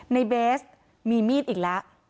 เบสมีมีดอีกแล้ว